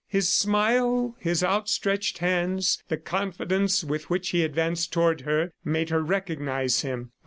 His smile, his outstretched hands, the confidence with which he advanced toward her made her recognize him.